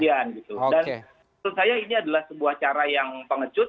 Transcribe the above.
dan menurut saya ini adalah sebuah cara yang pengecut